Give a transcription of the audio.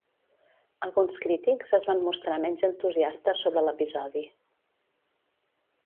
Alguns crítics es van mostrar menys entusiastes sobre l'episodi.